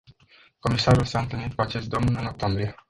Comisarul s-a întâlnit cu acest domn în octombrie.